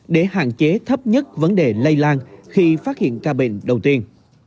để hạn chế thấp nhất vấn đề lây lan khi phát hiện ca bệnh đầu tiên